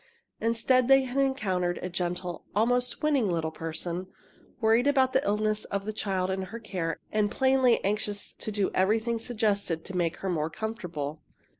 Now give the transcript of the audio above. Instead, they had encountered a gentle, almost winning, little person, worried about the illness of the child in her care and plainly anxious to do everything suggested to make her more comfortable.